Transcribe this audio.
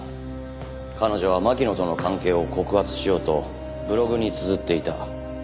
彼女は巻乃との関係を告発しようとブログにつづっていた。